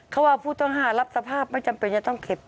เขาว่าผู้ต้องหารับสภาพไม่จำเป็นจะต้องเก็บ